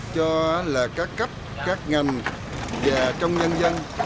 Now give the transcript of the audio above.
cho các cấp các ngành và trong nhân dân